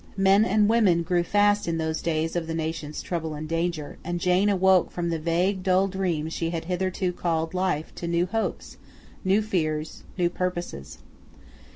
Men and women grew fast in those days of the nation's trouble and danger, and Jane awoke from the vague dull dream she had hitherto called life to new hopes, new fears, new purposes.